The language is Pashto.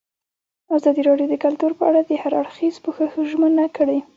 ازادي راډیو د کلتور په اړه د هر اړخیز پوښښ ژمنه کړې.